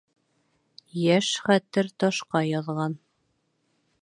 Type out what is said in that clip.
Йәш хәтер ташҡа яҙған